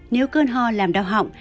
nếu cơn ho làm đau họng